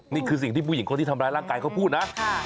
นี่คือสิ่งที่ผู้หญิงคนที่ทำร้ายร่างกายเขาพูดนะ